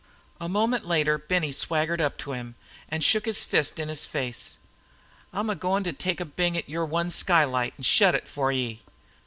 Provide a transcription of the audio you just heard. A moment later Benny swaggered up to him and shook a fist in his face. "I'm a goin' t' take a bing at yer one skylight an' shut 't for ye."